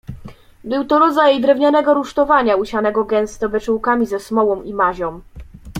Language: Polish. "Był to rodzaj drewnianego rusztowania, usianego gęsto beczułkami ze smołą i mazią."